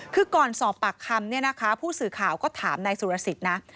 คือก่อนสอบปากคำเนี่ยนะคะผู้สื่อข่าวก็ถามนายสุรสิทธิ์นะ